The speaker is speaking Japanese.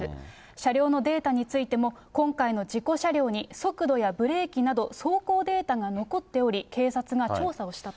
車両のデータについても、今回の事故車両に速度やブレーキなど、走行データが残っており、警察が調査をしたと。